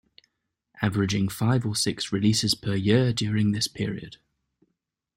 Averaging five or six releases per year during this period.